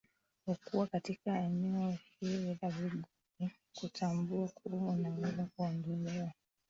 okuwa katika eneo hili ni vigumu kutambua kuwa unaweza kuondolewa